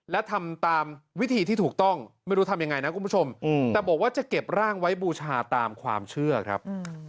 และทำตามวิธีที่ถูกต้องไม่รู้ทำยังไงนะคุณผู้ชมแต่บอกว่าจะเก็บร่างไว้บูชาตามความเชื่อครับ